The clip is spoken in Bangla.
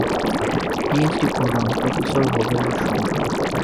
পিএইচ ডি করলাম প্রফেসর হোবলের সঙ্গে।